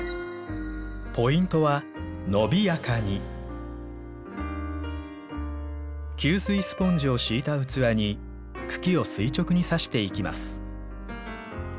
ポイントは吸水スポンジを敷いた器に茎を垂直に挿していきます。